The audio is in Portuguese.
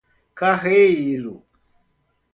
Careiro